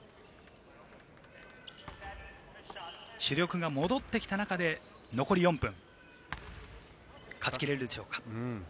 主力が戻ってきた中での残り４分、勝ち切れるでしょうか。